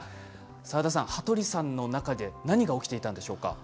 澤田さん、羽鳥さんの中で何が起きていたんでしょうか。